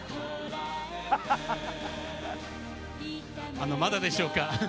あのまだでしょうか？